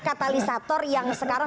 katalisator yang sekarang